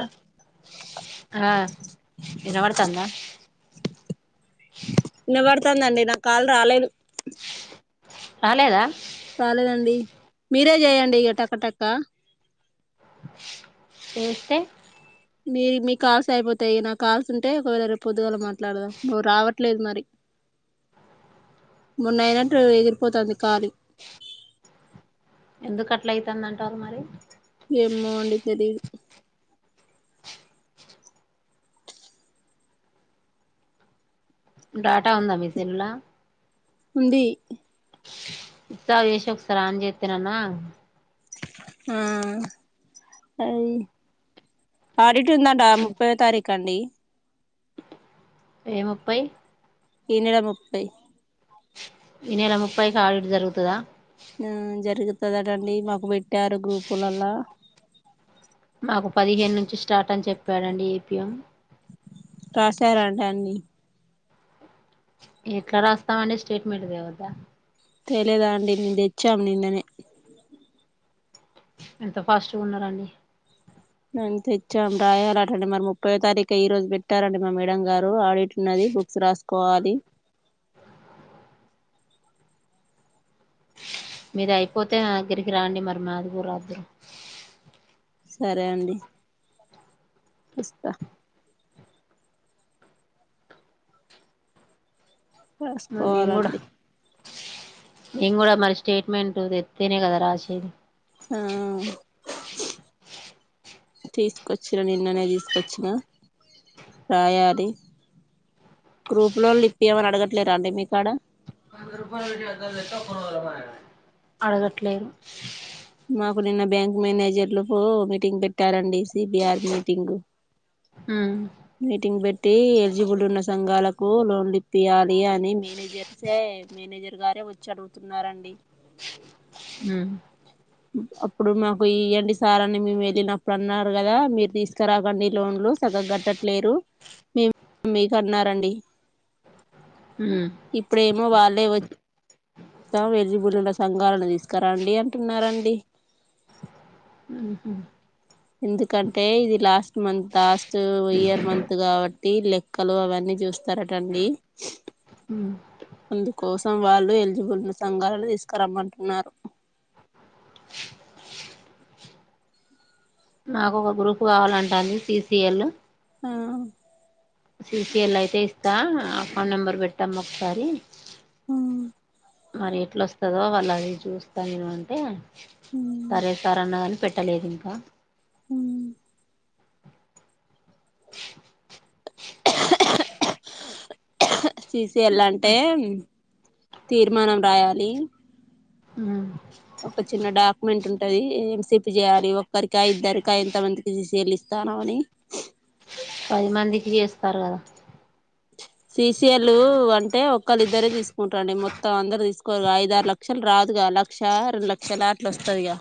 అ ఆ ఇనపడ్తందా ఇనపడ్తందండి నాకు కాల్ రాలేదు రాలేదా రాలేదండి మీరే చేయండి ఇగ టక టక చేస్తే మీ మీ కాల్స్ అయిపోతాయి నాకు కాల్స్ ఉంటే ఒకవేళ రేపు పొద్దుగల మాట్లాడదాం నువ్ రావట్లేదు మరి [unintelligible] మన్నయినట్లు ఎగిరిపోతుంది ఖాలి ఎందుకు అట్ల ఐతుంది అంటారు మరి ఏమో అండి తెలీదు డాటా ఉందా మీసెలుల ఉంది స్విచ్ ఆఫ్ చేసి ఒకసారి ఆన్ చేస్తే అన ఆ అది ఆడిట్ ందాంట ముప్పై తారీఖ అండి ఏ ముప్పై ఈ నెల ముప్పై ఈ నెల ముప్పై కి ఆడిట్ జరుగుతుందా ఆ జరుగుతుందిటండి మాకు పెట్టారు గూపులలా నాకు పదిహేను నుంచి స్టార్ట్ అని చెప్పాడండి ఏపీఎం రాశారా అండి అన్ని ఎట్లా రాస్తామ అండి స్టేట్మెంట్ దే వద్దా తెలిదా అండి మేం తెచ్చాం నిననే ఎంత ఫాస్ట్గా ఉన్నారండి నంచి తెచ్చాం రాయాల డి మరి ముప్పయో తారీఖు ఈ రోజు పెట్టారండి మా మేడం గారు ఆడిట్ ఉన్నది బుక్స్ రాసుకోవాలి మిది అయిపోతే మా దగ్గరికి రాండి మరి మాదిగు రాద్దరు సరే అండి వస్తా కసుకోవాలండి నేమ్ కూడా మరి స్టేట్మెంట్ తెత్తేనే కదా రాచేది ఆ తీసుకొచ్చిన నిన్ననే తీసుకొచ్చిన రయది గ్రూప్ లో ఇప్పియమని అడగట్లేరా అండి మీకాడ ర అడగట్లేదు మాకు నిన్న బ్యాంక్ మేనేజర్లు పో మీటింగ్ పెట్టారండి సిబిఆర్ మీటింగ్ ఉమ్ మీటింగ్ పెట్టి ఎలిజిబుల్ ఉన్న సంఘాలకు లోన్లు ఇప్పయాలి అని మేనేజర్ స మేనేజర్ గారే వచ్చి అడుగుతున్నారండి అ అప్పుడు మాకు ఇవ్వండి సార్ని మేము వెళ్ళినప్పుడు అన్నారు కదా మీరు తీసుకురాకండి లోన్ లో సగగ గట్టట్లేరు మీకు అన్నారండి ఉమ్ ఇప్పుడేమో వాళ్ళే వచ్చ ప్రతం ఎజిబులిల సంఘాలను తీసుకురండి అంటున్నార కుడి ఉహు ఎందుకంటే ఇది last month last year month కాబట్టి లెక్కలు అవన్నీ చూస్తారటండి హు అందుకోసం వాళ్ళు ఎలిజిబుల్ ఉన్న సంఘాలను తీసుకురమ్మంటున్నారు నాకు ఒక గ్రూప్ కావాలంట అంది సిసిఎల్ ఆ సిసఎల్ అయితే ఇస్తా అకౌంట్ నెంబర్ పెట్టమ్మా ఒకసారి మ్ మరి ఎట్ల వస్తుందో వాళ్ళు అది చూస్తా నేను అంటే మ్ సరే సార్ అన్నదని పెట్ కట్టలేదు ఇంకా హ్మ్మ్ తీసియాలి అంటే తీర్మానం రాయాలి ఒక చిన్న డాక్యుమెంట్ ఉంటు ఉంటది ఏం సిప్ చేయాలి ఒక్కరికా ఇద్దరికా ఎంత మందికి సేలి ఇస్తానవు అని పది మందికి చేస్తారు కదా ససిఎలు అంటే ఒకళ్ళ ఇద్దరే తీసుకుంటారండి మొత్తం అందరుూ తీసుకోవరు ఐదు ఆరు లక్షలు రాదుగా లక్ష రెండు లక్షలులాట్లు వస్తది ఇ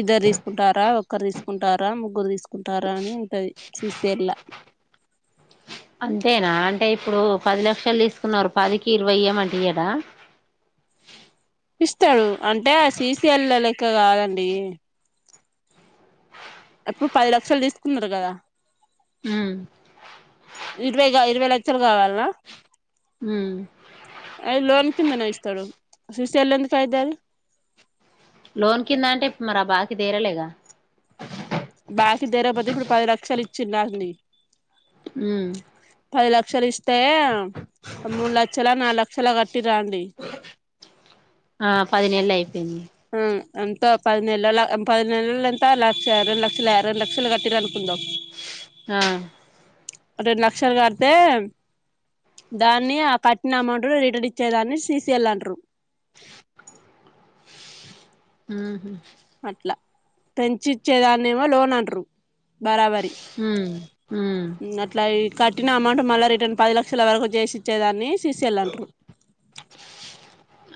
ఇద్దరు తీసుకుంటారా ఒక్కరు తీసుకుంటారా ముగ్గురు తీసుకుంటారా అని ఉంటది చూస్ చేయల అంతేనా అంటే ఇప్పుడు పది లక్షలు తీసుకున్నారు పదికి ఇరవై ఇయ్యమంటే ఇయ్యర ఇస్తాడు అంటే ఆ ససిీఎల్ లెక్క కాదండి ఎప్పుడు పది లక్షలు తీసుకున్నారు కదా ఇరవై ఇరవై లక్షలు కావాలన అయి లోన్ కింద నే ఇస్తాడు సిసిఎల్ ఎలా అవుది అది లోన్ కింద అంటే మరా బాకి తీరలేగా బాకి తీరకపోతే ఇప్పుడు పది లక్షలు ఇచ్చి దాన్ని హ్మ్మ్ పది లక్షలు ఇస్తే మూడు లక్షల నాలుగు లక్షలా కట్టి రండి ఆ పదినేళ్ళు అయిపోయింది ఆ అంతా పది నెలల పది నెలల ఎంత లక్ష రెండు లక్షలు రెండు లక్షలు కట్టిరు అనుకుంట ద హా రెండు లక్షలు కడితే దాన్ని ఆ కట్టిన అమౌంట్ రిటర్న్ ఇచ్చేదాన్ని సిసిఎల్ అంటరు ఉహు అట్లా పెంచిచ్చేదాన్ని ఏమో లోన్ అంటారు బరాబర్ హ్మ్మ్ హ్మ్మ్ పట్టిన అమౌంట్ మళ్ళీ రిటర్న్ పది లక్షల వరకు చేసి ఇచ్చేదాన్ని సిసిఎల్ అంటారు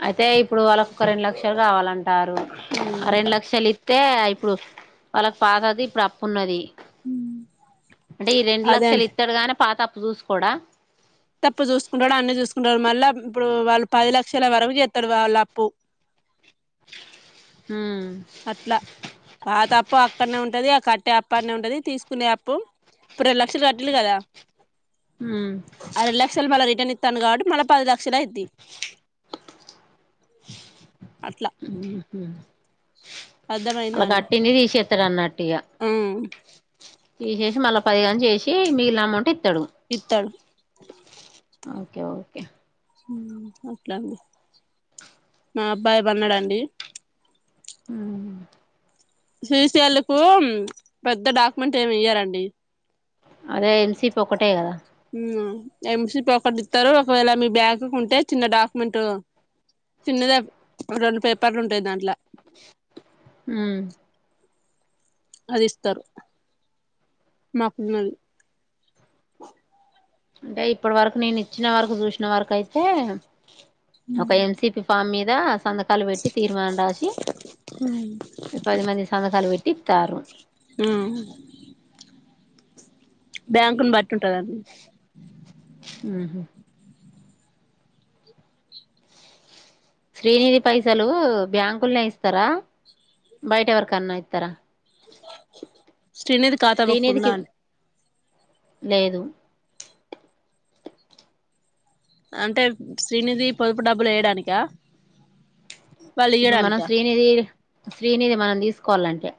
అయితే ఇప్పుడు వాళ్ళకు ఒక రెండు లక్షలు కావాలంటారు ఆ రెండు లక్షలు అే ఇప్పుడు వాళ్ళ ఫాదర్ కి ఇప్పుడు అప్పు ఉన్నది అంటే ఈ రెండు అదే లక్షలు అండి ఇత్తడుగానీ పాత అప్పు చూసుకోడా తప్పు చూసుకుంటాడు అన్ని చూసుకుంటాడు మళ్ళా ఇప్పుడు వాళ్ళు పది లక్షల వరకు చెస్తాడు వాళ్ళ అప్పు ఉమ్ అట్లా పాతప్పు అక్కడనే ఉంటది ఆ క ట్ట అప్ప ఆడనే ఉంటది తీసుకునే అప్పు ఇప్పుడు రెండు లక్షలు కట్టిలు కదా ఉమ్ ఆ రెండు లక్షలు మళ్ళీ రిటర్న్ ఇచ్ తను కాబట్టి మళ్ళ పది లక్షలు అయిది ఉహు అర్థమయిందా అలా అండి కట్టింది తీసేస్తారు అనుకుంట ఇగ ఆ తీసేసి మళ్ళా పదిగాని చేసి మిగిలిల అమౌంటే ఇత్తడు ఓకే ఓకే అట్లాండి ఆ అబ్బాయి బాగున్నాడా అండి హ్మ్మ్ సిసిఎల్ కు పెద్ద డాక్యుమెంట్ ఏమి ఇయ్యారండి అదే ఎల్ సిపి ఒక్కటే కదా ఉమ్ ఎంసిపి అకౌంట్ ఇత్తరు ఒకవేళ మీ బ్యాగ్ కు ఉంటే చిన్న డాక్యుమెంట్ చిన్నదే రెండు పేపర్లు ఉంటాయి దాంట్ల ఉమ్ అది ఇస్తారు మాకు ఉన్నది అంటే ఇప్పటి వరకు నేను ఇచ్చిన వరకు చూసిన వరకు అయితే ఒక ఎంసిపి ఫామ్ మీద సంతకాలు పెట్టి తీర్మానం రాసి ఉ పది మంది సంతకాలు పెట్టి ఇతన్రు ఉహూ బ్యాంకున్ బట్ ఉంటది ఉహు శ్రీనిధి పైసలు బ్యాంకుల్నే ఇస్తారా బయట ఎవరికన్నా ఇత్తరా శ్రీనిధి ఖాతా బుక్ శ్రీనిధికి ఉందండి లేదు అంటే శ్రీనిధి పొదుపు డబ్బులు ఎయడానికా ఇప్పుడు మనం శ్రీనిధి శ్రీనిధి మనం తీసుకోవాలంటే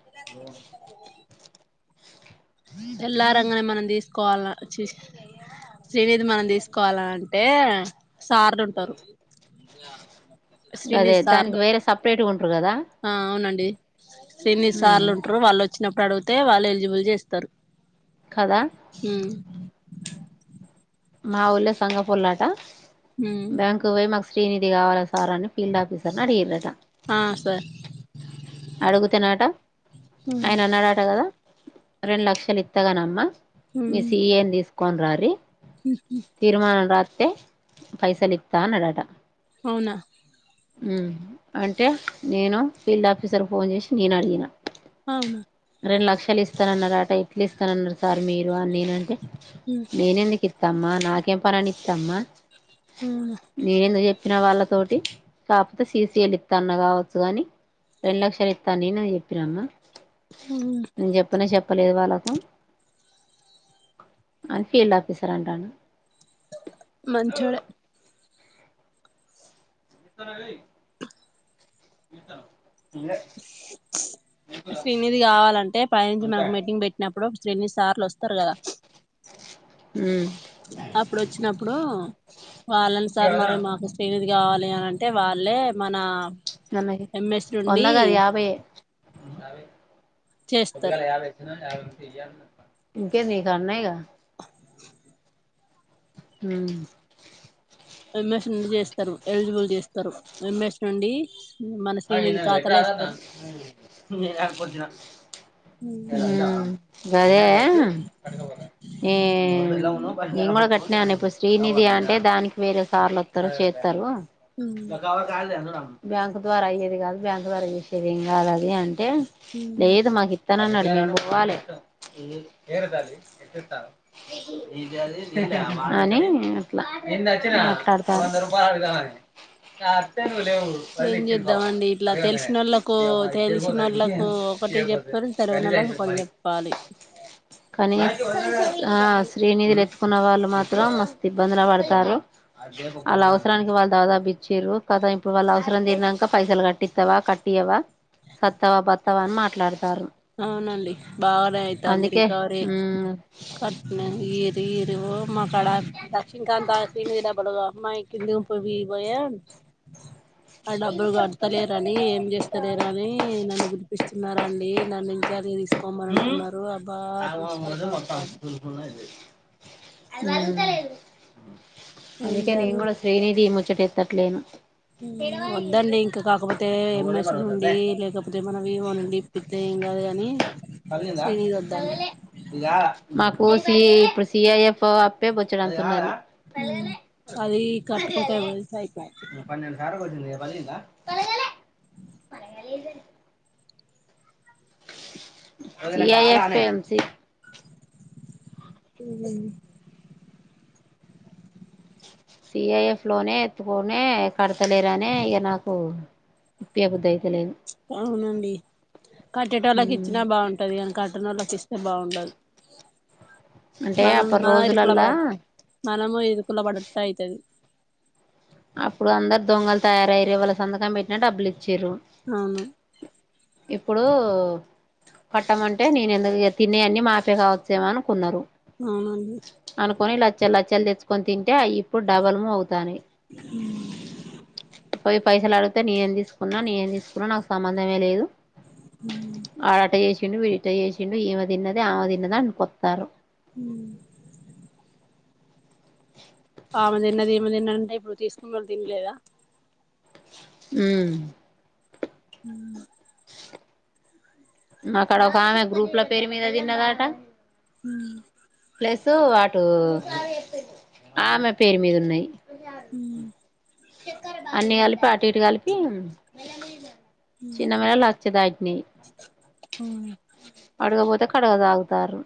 తెల్లరంగనే మనం తీసుకోవాల చి శ్రీనిధి మనం తీసుకోవాల అంటే సార్లు ఉంటారు శ్రీని అదే దానికి సార్లు వేరే సపరేట్గా ఉంటారు కదా ఆ అవునండి శ్రీని ఉమ్ సార్లు ఉంటారు వాళ్ళు అ వచ్చినప్పుడు అడిగితే వాళ్ళు ఎలిజిబుల్ చేస్తారు కదా ఉమ్ మా ఊళ్ళ సంగపూలాట ఉమ్ బ్యాంకు పోయి మాకు శ్రీనిధి కావాలా సార్ అని ఫీల్డ్ ఆఫీసర్ అడిగిర్రు అట ఆ సార్ అడుగుతేన్నాట ఉమ్ ఆయన అన్నాడాట కదా రెండు లక్షలు ఇత్తగానమ్మ మీ ఉమ్ సిఏనీ తీసుకొనిరారి తీర్మానం రాసి తే పైసాలితా అన్నాడట అవునా హ్మ్ అంటే నేను ఫీల్డ్ ఆఫీసర్ ఫోన్ చేసి నేను అడిగిన అవును రెండు లక్షలు ఇస్తానన్నారు అట ఎట్లు ఇస్తానన్నారు సార్ మీరు అని నేనంటే ఉమ్ నేను ఎందుకు ఇ ఇస్తమ్మా నాకేం పనిని ఇస్తామ్మా అవునా నేను ఎందుకు చెప్పినా వాళ్ళ తోటి కాపోతే సీసి చేపిస్తా అన్న కావచ్చు కాని రెండు లక్షలు ఇస్తా అని నేన అందుకు చెప్పినమ్మా ఉమ్ నేను చెప్పన చెప్ప ప లేదు వాళ్ళకు అని ఫీల్డ్ ఆఫీసర్ అంటండు మంచోడే ఎత్తర గయి ఇత శ్రీనిధి కావాలంటే పై నుంచి మనకు మీటింగ్ పెట్టినప్పుడు శ్రీని సార్లు వస్తారు కదా ఉమ్ అప్పుడు వచ్చినప్పుడు వాళ్ళని సార్ మా మాకు శ్రీనిధి గావాలే అని అంటే వాళ్ళే మన న ఎంఎస్ [inaudible] నుండి ఒందగాదు యాభైయ చేస్తారు ఎ ఇంకేంది నికడా ఉన్నాయి కదా ఉమ్ ఎంఎస్ నుండి చేస్తారు ఎలిజిబుల్ చేస్తారు ఎంఎస్ నుండి మన అ ఇ శ్రీనిధి వెక ఖాతాలో అదా వేస్తారు ననుపోతనా ఉమ్ గదే ఏ నేను కూడా గట్టనే అన్న ఇప్పుడు శ్రీనిధి అంటే దానికి వేరే సార్లు వత్తారు చెత్తారు బ్యాంక్ ద్వారా అయేది కాదు బ్యాంకు ద్వారా చేసేది ఏం కాదు అది అంటే లేదు మాకు ఇత్తనని అన్నాడు నేను పోవాలే అని అట్లా నిన్న వచ్చిన వంద రూపాయ అడుగుదామని నీవు లేవు చద్దమండి ఇట్లా తెలిసినోళ్ళలకు తెలిసినోళ్ళలకు ఒకటి చెప్తారు తెలవనోళ్లకు వాళ్ళకి ఒకటి చెప్తారు పాలు కానీ ఆ శ్రీనిధులు ఎత్తుకున్న వాళ్ళు మాత్రం మస్తు ఇబ్బందులు పడతారు వాళ్ళ అవసరానికి వాళ్ళ దాదాపు ఇచ్చారు కదా ఇప్పుడు వాళ్ళు అవసరం తిరక పైసలు కట్టిస్తావా కట్టియవా సత్తవా బత్తవా అని మాట్లాడుత అవునండి బానే అయిత అంది అందుకే రకావరి మ్మ్ కట్నం ఈరు ఈరు మా కాడ లక్ష్మీకాంత శ్రీనిధి డబ్బులు అడుగు అమ్మ ఇదొక వివో ఎన్ ఆ డబ్బులు కడతలేరని ఏం చేస్తలేర అని నన్ను పిలిపిస్తున్నారండి నన్ను ఇంచార్జ్ తీసుకోమని అంటున్నారు ఆ ఆబా తలకాయ నొత్తాంది ఏం అందుకే నీను చేయాలో కూడా శ్రీనిధి ఇచ్చేటట్టు లేను వద్దండి ఇంకా కాకపోతే ఎంఎస్ నుండి లేకపోతే మనవివ నుండి ఇప్పితే ఏం గాదు గాని పలిగిందా పలుగలే ఇది గాధ మాకు సీ ఏ సిఐఎఫ్ యాప్ ఏ బొచ్చడంతున్నారు అది కట్టుకుంటే వదిలేస్తే అయిపోయే అలిగిందా తలగలే సిఐఎఫ్ ఎం సి ఉ హు సిఐఎఫ్ లోనే ఎత్తుకొని కడతలేరా అనే ఇగ నాకు ఇప్పియ్య బుద్ధవతలేదు అవునండి కట్టేటోళ్ళకి ఇచ్చినా మ్మ్ బాగుంటది కానీ కట్ట నోళ్ళకి ఇస్తే ఇస్తే బాగుండదు అంటే మనం అప్పటి ఇరుకుల రోజులల్లా పడం మనము ఇరుకుల పడ్డట్టు అయితది అప్పుడు అందరు దొంగలు తయారయిండ్రు ఎవలు సంతకం పెట్టినా డబ్బులు ఇచ్చే అవును ఇప్పుడు కట్టమంటే నేను ఎందుకు తినే అన్ని మాఫే కావచ్చేమో అనుకున్నారు అవును అండి అనుకొని లచ్చలు లచ్చలు తెచ్చుకొని తింటే ఇప్పుడు డబల్ యు అవుతాన్నయి బైకు సౌండ్ పోయి పైసలు అడిగితే నేనేం తీసుకున్నా నేను ఏం తీసుకున్నా నాకు సంబంధమే లేదు ఆడ అట్ట చేసిండు వీడు ఇట్ట చేసిండు ఈమె తిన్నది ఆమె తిన్నది అని కొత్తారు ఊ ఆమె తిన్నది ఈమే తిన్నది ఇప్పుడు తీసుకున్న వాళ్ళు తిన లేదా ఊ ఉ అక్కడ ఒక ఆమె గ్రూప్ ల పేరు మీద తిన్నదట ఊ ప్లస్ అటు ఆమె పేరు మీద ఉన్నాయి అన్ని కలిపి అటు ఇటు కలిపి చిన్న మేళ లచ్చదాట్నయి అడుగపోతే కడగదాగుతారు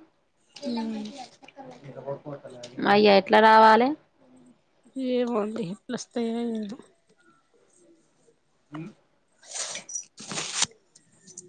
ఊ అయ్య ఎట్లా రావాలి వస్తయో లేదో ఊ